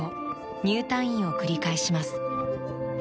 入退院を繰り返します。